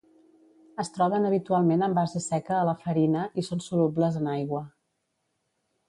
Es troben habitualment en base seca a la farina, i són solubles en aigua.